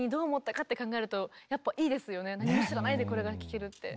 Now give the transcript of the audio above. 何も知らないでこれが聴けるって。